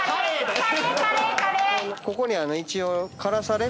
ここに一応。